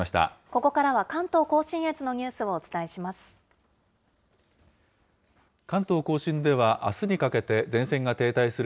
ここからは関東甲信越のニュースをお伝えします。